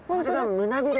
胸びれ。